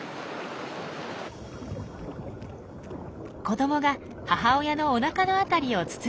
子どもが母親のおなかの辺りをつついています。